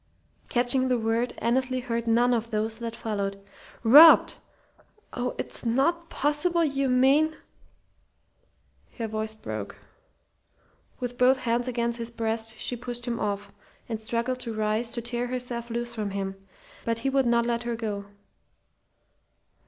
Catching the word, Annesley heard none of those that followed. "Robbed! Oh, it's not possible you mean " Her voice broke. With both hands against his breast she pushed him off, and struggled to rise, to tear herself loose from him. But he would not let her go.